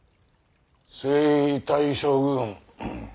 征夷大将軍。